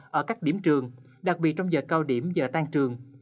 ở các điểm trường đặc biệt trong giờ cao điểm giờ tan trường